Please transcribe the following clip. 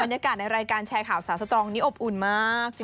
บรรยากาศในรายการแชร์ข่าวสาวสตรองนี้อบอุ่นมาก